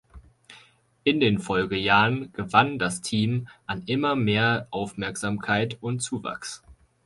In den Folgejahren gewann das Team an immer mehr Aufmerksamkeit und Zuwachs.